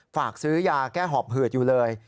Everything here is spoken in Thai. ฝากซื้อยาแก้หอบหืดอยู่เลย